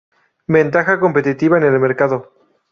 Ventaja competitiva en el mercado.